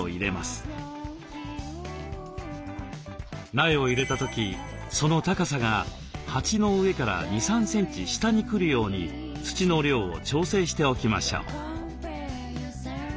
苗を入れた時その高さが鉢の上から２３センチ下に来るように土の量を調整しておきましょう。